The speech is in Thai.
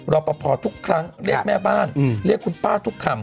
รอปภทุกครั้งเรียกแม่บ้านเรียกคุณป้าทุกคำ